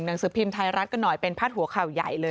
หนังสือพิมพ์ไทยรัฐกันหน่อยเป็นพาดหัวข่าวใหญ่เลย